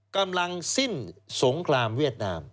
กำลังสิ้นสงครามเวียดนาม